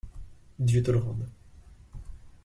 Dieu te le rende!